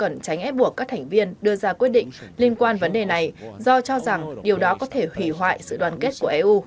hội đồng châu âu cần tránh ép buộc các thành viên đưa ra quyết định liên quan vấn đề này do cho rằng điều đó có thể hủy hoại sự đoàn kết của eu